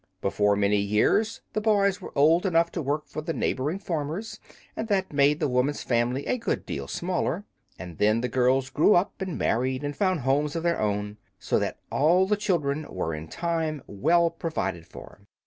Before many years the boys were old enough to work for the neighboring farmers, and that made the woman's family a good deal smaller. And then the girls grew up and married, and found homes of their own, so that all the children were in time well provided for.